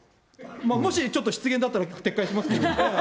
もしちょっと失言だったら撤回しますけど。